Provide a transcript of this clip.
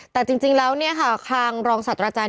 แต่จริงแล้วคางรองสาตราจารย์